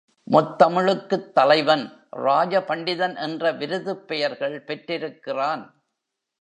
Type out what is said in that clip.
முத்தமிழுக்குத் தலைவன் ராஜ பண்டிதன் என்ற விருதுப் பெயர்கள் பெற்றிருக்கிறான்.